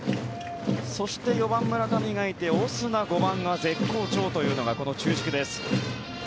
そして４番、村上がいてオスナ、５番は絶好調というのがこの中軸です。